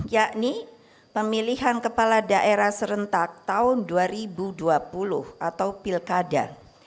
yakni pemilihan kepala daerah serentak tahun dua ribu dua puluh atau pilkada